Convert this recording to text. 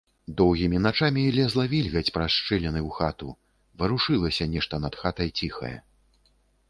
Доўгімі начамі лезла вільгаць праз шчыліны ў хату, варушылася нешта над хатай ціхае.